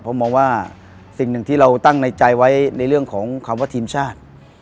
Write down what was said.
ผมมองว่าสิ่งหนึ่งที่เราตั้งในใจไว้ในเรื่องของคำว่าทีมชาติ